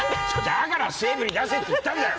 だから整備に出せって言ったんだよ！